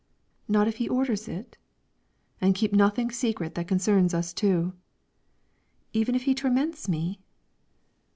"Not if he orders it?" "And keep nothing secret that concerns us two." "Even if he torments me?"